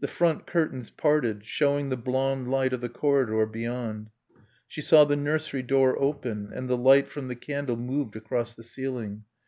The front curtains parted, showing the blond light of the corridor beyond. She saw the nursery door open and the light from the candle moved across the ceiling.